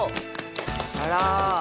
あら。